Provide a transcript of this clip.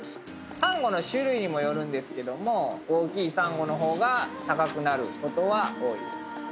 サンゴの種類にもよるんですけども大きい方が高くなることは多いです。